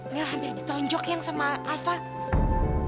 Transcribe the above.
nil hampir ditonjok eang sama alfanya